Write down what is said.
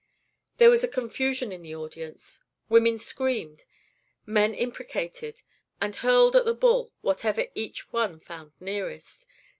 There was confusion in the audience: women screamed, men imprecated, and hurled at the bull whatever each one found nearest.